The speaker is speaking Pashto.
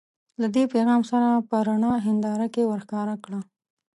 له دې پیغام سره په رڼه هنداره کې ورښکاره کړه.